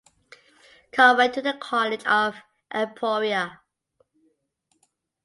Karr went to the College of Emporia.